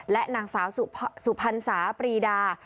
และนางสาวสุพรรณสาปรีดา